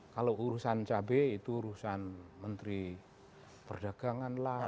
kalau urusan cabai itu urusan menteri perdagangan lah